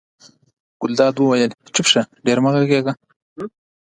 ګلداد وویل چپ شه ډېره مه غږېږه.